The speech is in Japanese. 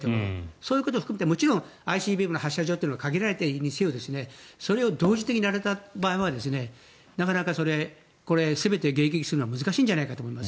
そういうところも含めてもちろん、ＩＣＢＭの発射場は限られているにせよそれを同時的にやられたらなかなか、全て迎撃するのは難しいんじゃないかと思います。